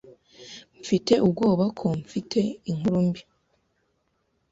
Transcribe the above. Mfite ubwoba ko mfite inkuru mbi.